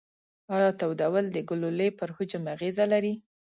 ایا تودول د ګلولې پر حجم اغیزه لري؟